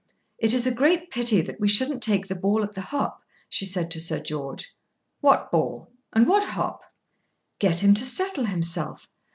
"It is a great pity that we shouldn't take the ball at the hop," she said to Sir George. "What ball; and what hop?" "Get him to settle himself.